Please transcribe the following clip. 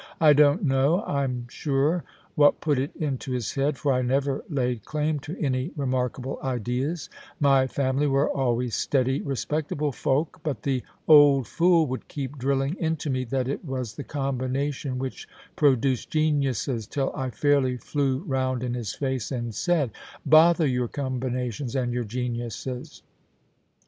I don't know, I'm sure, what put it into his head, for I never laid claim to any remarkable ideas ; my family were always steady, respectable folk, but the old fool would keep drilling into me that it was the combination which produced geniuses, till I fairly flew round in his face and said, " Bother your combinations and your geniuses.